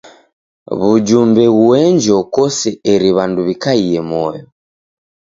W'ujumbe ghuenjo kose eri w'andu w'ikaie moyo.